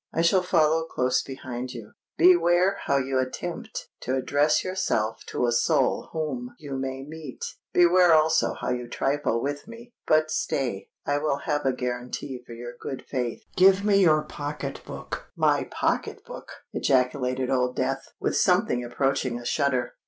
"I shall follow close behind you:—beware how you attempt to address yourself to a soul whom you may meet—beware also how you trifle with me. But stay—I will have a guarantee for your good faith. Give me your pocket book!" "My pocket book!" ejaculated Old Death, with something approaching a shudder.